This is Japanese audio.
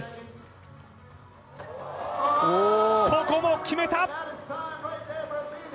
ここも決めた！